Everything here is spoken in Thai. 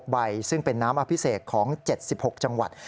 ใบซึ่งเป็นน้ำอภิเษกของ๗๖จังหวัด